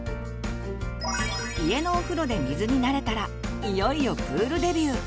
家のお風呂で水に慣れたらいよいよプールデビュー。